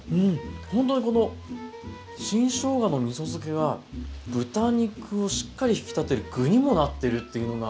ほんとにこの新しょうがのみそ漬けは豚肉をしっかり引き立てる具にもなっているっていうのが。